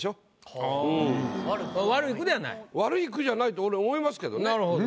悪い句じゃないと思いますけど。